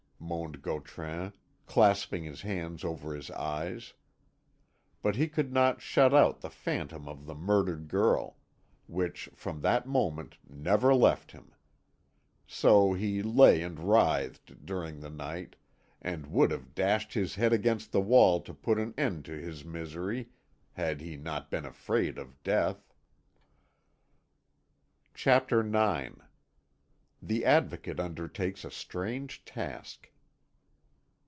moaned Gautran, clasping his hands over his eyes. But he could not shut out the phantom of the murdered girl, which from that moment never left him. So he lay and writhed during the night, and would have dashed his head against the wall to put an end to his misery had he not been afraid of death. CHAPTER IX THE ADVOCATE UNDERTAKES A STRANGE TASK.